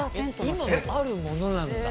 「今もあるものなんだ」